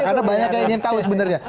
karena banyak yang ingin tahu sebenarnya